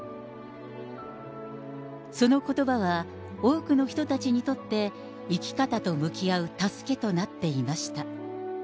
そのことばは、多くの人たちにとって生き方と向き合う助けとなっていました。